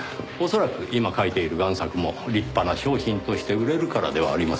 恐らく今描いている贋作も立派な商品として売れるからではありませんかねぇ。